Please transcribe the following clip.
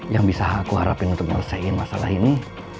yang bisa aku harapin untuk menyelesaikan masalah ini